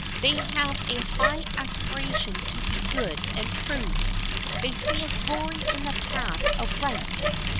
They have a high aspiration to be good and true. They see a glory in the path of right.